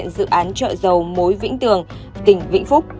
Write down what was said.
đánh trợ dầu mối vĩnh tường tỉnh vĩnh phúc